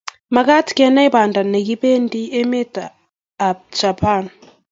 Magaat kenai Banda negipendi emetab Japan